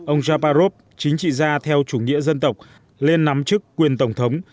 ông japarov chính trị gia theo chủ nghĩa dân tộc lên nắm chức quyền tổng thống